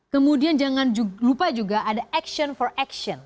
kemudian jangan lupa juga ada action for action